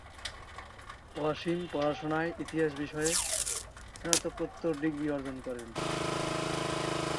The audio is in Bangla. ওয়াসিম পড়াশোনায় ইতিহাস বিষয়ে স্নাতকোত্তর ডিগ্রি অর্জন করেন।